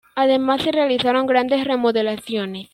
Además se realizaron grandes remodelaciones.